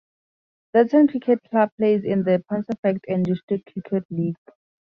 Darton cricket club plays in the Pontefract and District Cricket League.